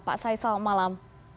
pak said selamat malam